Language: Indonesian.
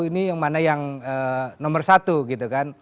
ini yang mana yang nomor satu gitu kan